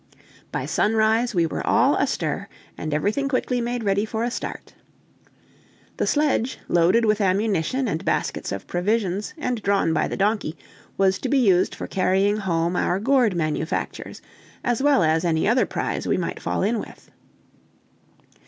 By sunrise we were all astir, and everything quickly made ready for a start. The sledge, loaded with ammunition and baskets of provisions, and drawn by the donkey, was to be used for carrying home our gourd manufactures, as well as any other prize we might fall in with.